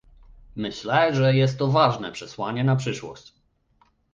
Myślę, że jest to ważne przesłanie na przyszłość